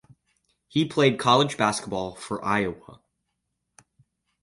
He played college basketball for Iowa.